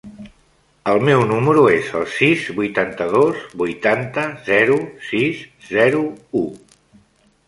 El meu número es el sis, vuitanta-dos, vuitanta, zero, sis, zero, u.